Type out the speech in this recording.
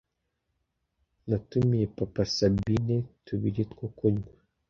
Natumiye Papa Sabine tubiri, twokunkwa